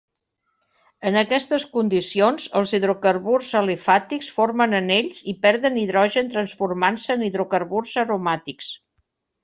En aquestes condicions, els hidrocarburs alifàtics formen anells i perden hidrogen transformant-se en hidrocarburs aromàtics.